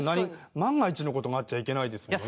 万が一の事があっちゃいけないですもんね。